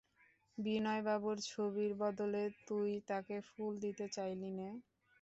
বিনয়বাবুর ছবির বদলে তুই তাঁকে ফুল দিতে চাইলি নে?